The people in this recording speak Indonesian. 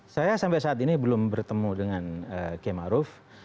saya sampai saat ini belum bertemu dengan ki ma'ruf